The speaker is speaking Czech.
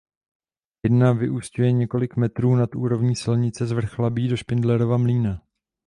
Jedna vyúsťuje několik metrů nad úrovní silnice z Vrchlabí do Špindlerova Mlýna.